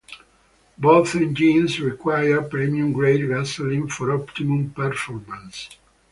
Both engines required premium-grade gasoline for optimum performance.